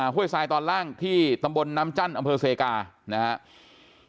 ห้วยทรายตอนล่างที่ตำบลน้ำจั้นอำเภอเซกานะครับ